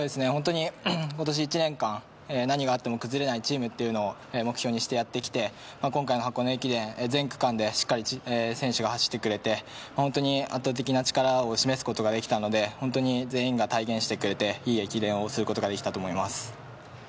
今年１年間、何があっても崩れないチームというのを目標にしてやってきて今回の箱根駅伝全区間でしっかり選手が走って、圧倒的な力を示すことができたので、本当に全員が体現してくれて、いい駅伝をすることができたと思います。